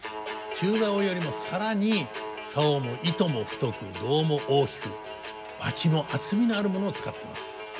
中棹よりも更に棹も糸も太く胴も大きくバチも厚みのあるものを使ってます。